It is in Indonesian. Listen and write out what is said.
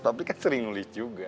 papi kan sering nulis juga